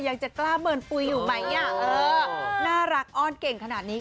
ยังจะกล้าเมินปุ๋ยอยู่ไหมอ่ะเออน่ารักอ้อนเก่งขนาดนี้